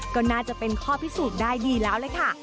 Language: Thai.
ก็น่าจะเป็นข้อพิสูจน์ได้ดีแล้วเลยค่ะ